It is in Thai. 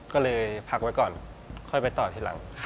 ก็เลยพักไว้ก่อนค่อยไปต่อทีหลัง